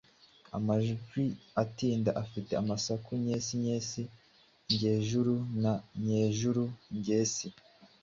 amajwi atinda afite amasaku nyesi nyesi, nyesi ngejuru na nyejuru ngesi.